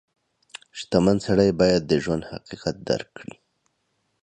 • شتمن سړی باید د ژوند حقیقت درک کړي.